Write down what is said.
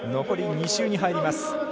残り２周に入ります。